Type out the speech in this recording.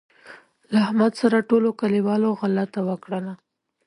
له احمد سره ټولوکلیوالو غلطه وکړله.